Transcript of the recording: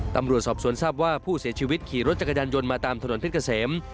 ตำรวจสอบสวนทราบว่าผู้เสียชีวิตขี่รถจักรยานยนต์มาตามถนนเพชรเกษม